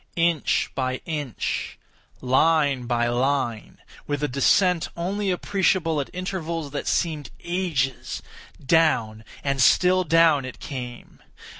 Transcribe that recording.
Inch by inch—line by line—with a descent only appreciable at intervals that seemed ages—down and still down it came!